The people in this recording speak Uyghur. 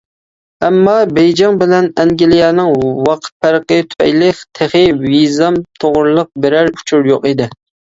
ئەمما بېيجىڭ بىلەن ئەنگلىيەنىڭ ۋاقىت پەرقى تۈپەيلى تېخى ۋىزام توغرىلىق بىرەر ئۇچۇر يوق ئىدى.